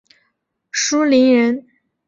舒磷人。